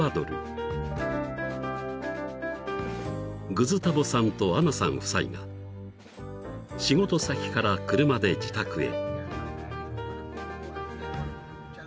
［グズタヴォさんとアナさん夫妻が仕事先から車で自宅へ］